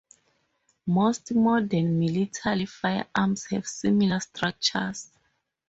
Most modern military firearms have similar structures.